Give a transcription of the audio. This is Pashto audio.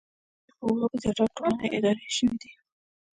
د تاریخ په اوږدو کې زیاتره ټولنې اداره شوې دي